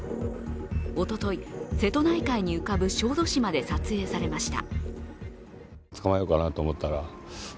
おととい、瀬戸内海に浮かぶ小豆島で撮影されました。